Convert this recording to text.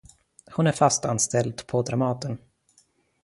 Hon är fast anställd på dramaten.